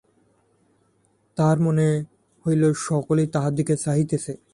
তাহার মনে হইল সকলেই তাহার দিকে চাহিতেছে।